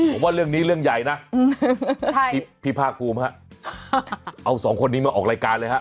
ผมว่าเรื่องนี้เรื่องใหญ่นะพี่ภาคภูมิฮะเอาสองคนนี้มาออกรายการเลยฮะ